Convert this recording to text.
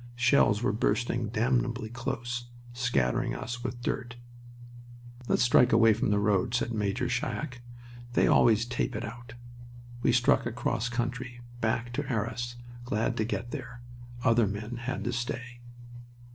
Shells were bursting damnably close, scattering us with dirt. "Let's strike away from the road," said Major Schiach. "They always tape it out." We struck across country, back to Arras, glad to get there... other men had to stay.